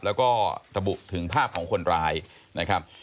แล้วก็ระบุถึงภาพของคนร้ายนะครับ